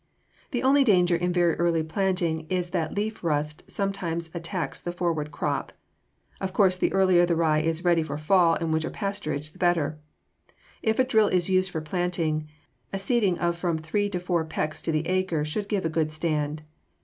The only danger in very early planting is that leaf rust sometimes attacks the forward crop. Of course the earlier the rye is ready for fall and winter pasturage, the better. If a drill is used for planting, a seeding of from three to four pecks to the acre should give a good stand.